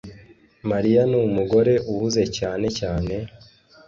mariya numugore uhuze cyane cyane